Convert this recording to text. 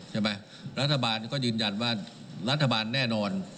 รัฐบาลก็ยืนยันว่ารัฐบาลแน่นอน